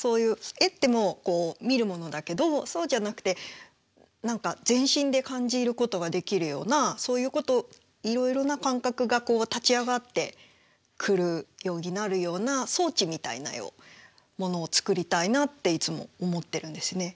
絵ってもう見るものだけどそうじゃなくて何か全身で感じることができるようなそういうことをいろいろな感覚が立ち上がってくるようになるような装置みたいな絵をものを作りたいなっていつも思ってるんですね。